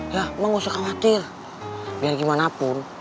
ya emang usah khawatir biar gimana pun